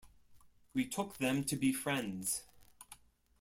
We took them to be friends.